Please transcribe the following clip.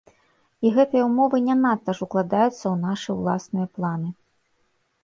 І гэтыя ўмовы не надта ж укладаюцца ў нашы ўласныя планы.